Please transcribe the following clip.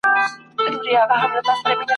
د رنګینۍ په بېلتانه کي مرمه !.